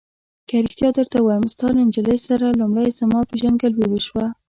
که رښتیا درته ووایم، ستا له نجلۍ سره لومړی زما پېژندګلوي وشوه.